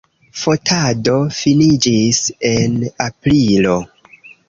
Fotado finiĝis en aprilo.